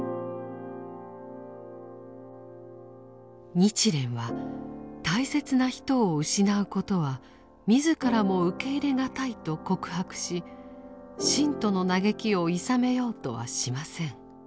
日蓮は大切な人を失うことは自らも受け入れ難いと告白し信徒の嘆きをいさめようとはしません。